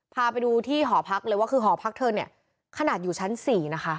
พาไปดูที่หอพักเลยว่าคือหอพักเธอเนี่ยขนาดอยู่ชั้น๔นะคะ